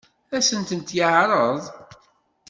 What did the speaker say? Ad sent-t-yeɛṛeḍ?